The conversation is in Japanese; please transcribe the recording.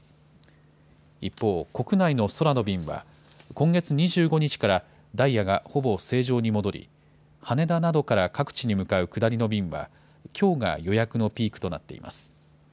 一方、国内の空の便は、今月２５日からダイヤがほぼ正常に戻り、羽田などから各地に向かう下りの便は、きょうが予約のピークとなっています。